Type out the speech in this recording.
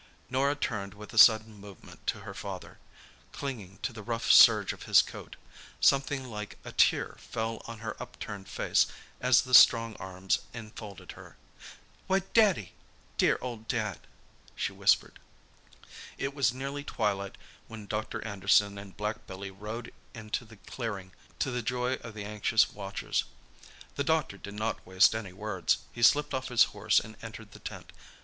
Norah turned with a sudden movement to her father, clinging to the rough serge of his coat. Something like a tear fell on her upturned face as the strong arms enfolded her. "Why—Daddy—dear old Dad!" she whispered. It was nearly twilight when Dr. Anderson and black Billy rode into the clearing, to the joy of the anxious watchers. The doctor did not waste any words. He slipped off his horse and entered the tent.